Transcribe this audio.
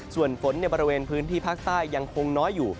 ส่วนฝนในบริเวณพื้นที่ภาคใต้ยังคงน้อยอยู่